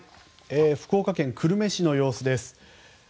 福岡県久留米市の様子です。